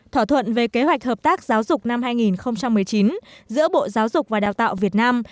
thỏa thuận về kế hoạch hợp tác giáo dục năm hai nghìn một mươi chín giữa bộ giáo dục và đào tạo việt nam